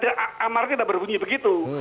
oh tidak tidak amarnya tidak berbunyi begitu